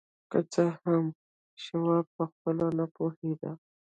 که څه هم شواب پخپله نه پوهېده.